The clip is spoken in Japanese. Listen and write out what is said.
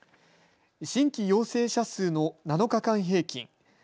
新規陽性者数の７日間平均。